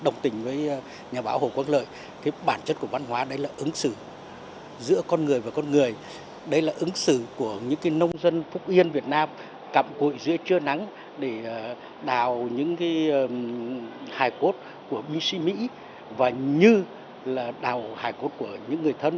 để đào những hài cốt của bí sĩ mỹ và như là đào hài cốt của những người thân